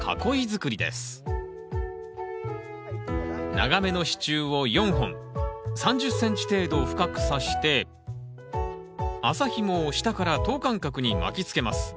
長めの支柱を４本３０ｃｍ程度深くさして麻ひもを下から等間隔に巻きつけます。